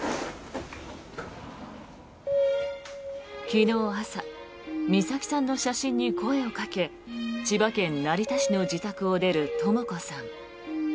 昨日朝美咲さんの写真に声をかけ千葉県成田市の自宅を出るとも子さん。